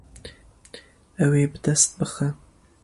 Ew ê bi dest bixe.